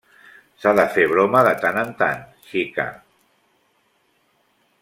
S’ha de fer broma de tant en tant, xica.